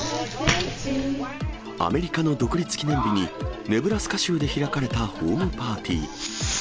アメリカの独立記念日に、ネブラスカ州で開かれたホームパーティー。